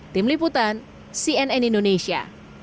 tim liputan cnn indonesia